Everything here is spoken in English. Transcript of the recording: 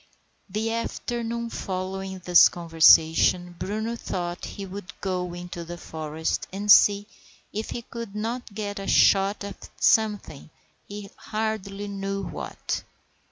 The afternoon following this conversation Bruno thought he would go into the forest and see if he could not get a shot at something, he hardly knew what.